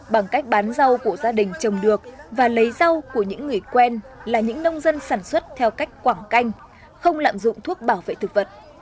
bằng cách bán rau của gia đình trồng được và lấy rau của những người quen là những nông dân sản xuất theo cách quảng canh không lạm dụng thuốc bảo vệ thực vật